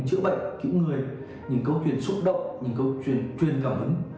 chữa bệnh cứu người những câu chuyện xúc động những câu chuyện truyền cảm hứng